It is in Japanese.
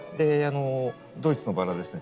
ドイツのバラですね。